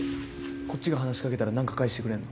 こっちが話しかけたらなんか返してくれんの？